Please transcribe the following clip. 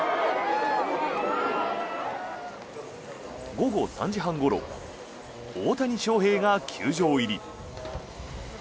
午後３時半ごろ大谷翔平が球場入り。